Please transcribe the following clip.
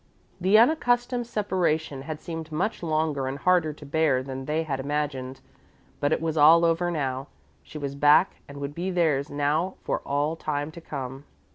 The unaccustomed separation had seemed much longer and harder to bear than they had imagined, but it was all over now, she was back and would be theirs now for all time to come.